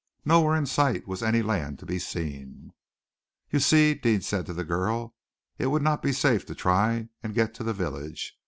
Nowhere in sight was any land to be seen. "You see," Deane said to the girl, "it would not be safe to try and get to the village.